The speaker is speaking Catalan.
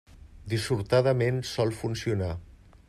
Dissortadament sol funcionar.